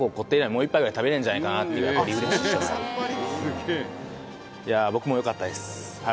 もう一杯ぐらい食べれんじゃないかなっていうぐらいいや僕もよかったです